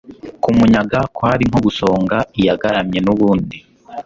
kumunyaga kwari nko gusonga iyagaramye n'ubundi